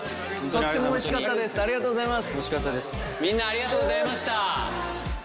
とってもおいしかったですありがとうございます。